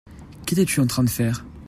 Qu'étais-tu en train de faire ?